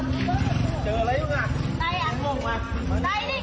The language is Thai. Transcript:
ไม่ได้บังคับทักจะไหม